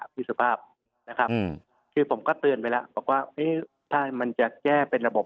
พี่สุภาพนะครับคือผมก็เตือนไปแล้วบอกว่าถ้ามันจะแก้เป็นระบบ